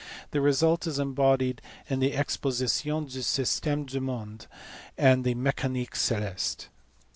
The result is embodied in the Exposition du systeme du monde and the Mecanique celeste.